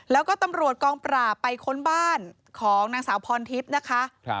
แล้วก็ตำรวจกองปราบไปค้นบ้านของนางสาวพรทิพย์นะคะ